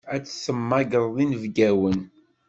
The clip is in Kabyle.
Ad temmagreḍ inebgawen.